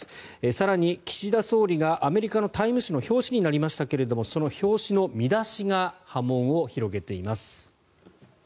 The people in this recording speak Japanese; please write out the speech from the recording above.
更に、岸田総理がアメリカの「タイム」誌の表紙になりましたがその表紙の見出しが波紋を広げています。